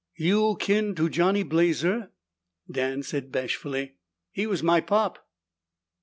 "You kin to Johnny Blazer?" Dan said bashfully, "He was my pop."